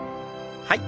はい。